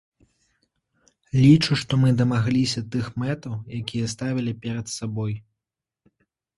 Лічу, што мы дамагліся тых мэтаў, якія ставілі перад сабой.